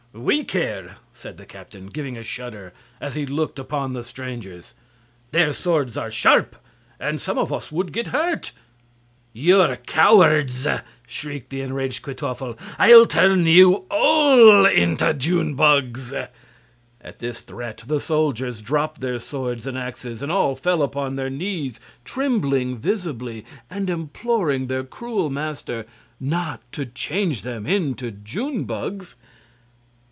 "We care," said the captain, giving a shudder, as he looked upon the strangers. "Their swords are sharp, and some of us would get hurt." "You're cowards!" shrieked the enraged Kwytoffle. "I'll turn you all into June bugs!" At this threat the soldiers dropped their swords and axes, and all fell upon their knees, trembling visibly and imploring their cruel master not to change them into june bugs.